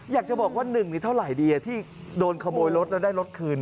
อยากจะบอกว่า๑นี่เท่าไหร่ดีที่โดนขโมยรถแล้วได้รถคืน